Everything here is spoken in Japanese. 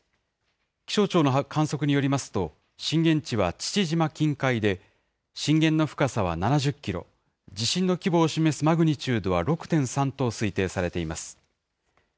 気象庁の観測によりますと、震源地は父島近海で、震源の深さは７０キロ、地震の規模を示すマグニチュードは６．３と推定されています。